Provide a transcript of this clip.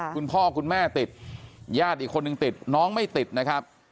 คุณพ่อคุณแม่ติดญาติอีกคนนึงติดน้องไม่ติดนะครับ